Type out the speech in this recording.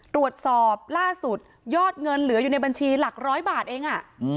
ตรวจสอบล่าสุดยอดเงินเหลืออยู่ในบัญชีหลักร้อยบาทเอง